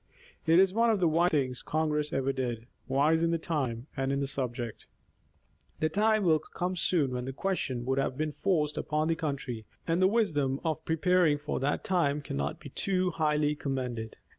It is one of the wisest things Congress ever did ; wise in the time and in the subject. The time will soon come when the question would have been forced upon the country, and the wisdom of preparing for that time cannot be too highly commended.